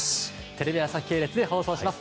テレビ朝日系列で放送します。